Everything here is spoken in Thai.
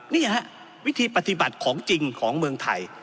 นี่ฮะวิธีปฏิบัติของจริงของเมืองไทย